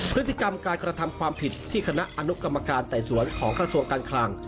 พฤติกรรมการกระทำความผิดที่คณะอนุกรรมการไต่สวนของกระทรวงการคลัง